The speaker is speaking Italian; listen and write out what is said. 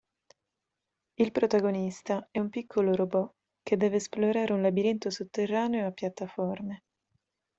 Il protagonista è un piccolo robot che deve esplorare un labirinto sotterraneo a piattaforme.